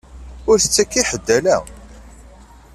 Ur tettak i ḥed ala.